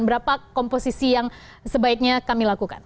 berapa komposisi yang sebaiknya kami lakukan